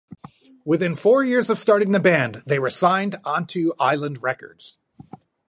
Within four years of starting the band, they were signed onto Island Records.